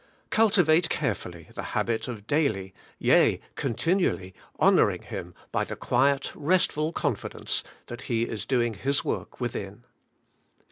Cultivate carefully the habit of daily, yea, continually honouring Him by the quiet, restful con fidence that He is doing His work within.